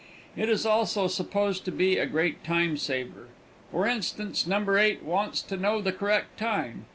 It is also supposed to be a great time saver. For instance, No. 8 wants to know the correct time.